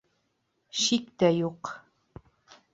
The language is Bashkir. — Шик тә юҡ.